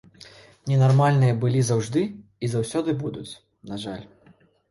Ненармальныя былі заўжды і заўсёды будуць, на жаль.